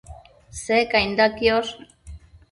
Secainda quiosh